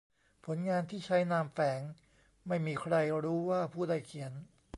ผลงานที่ใช้นามแฝง : ไม่มีใครรู้ว่าผู้ใดเขียน